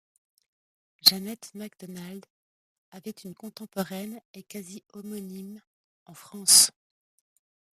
Jeanette MacDonald avait une contemporaine et quasi homonyme en France.